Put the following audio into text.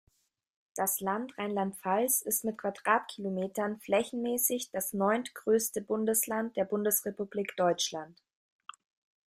Das Land Rheinland-Pfalz ist mit Quadratkilometern flächenmäßig das neuntgrößte Bundesland der Bundesrepublik Deutschland.